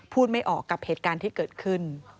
ไม่ออกกับเหตุการณ์ที่เกิดขึ้น